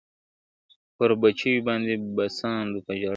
پر بچو باندي په ساندو په ژړا سوه `